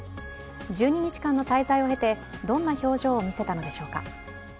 １２日間の滞在を経てどんな表情を見せたのでしょうか。